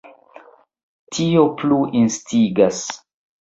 Tio plu instigas.